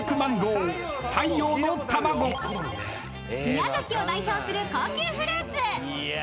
［宮崎を代表する高級フルーツ］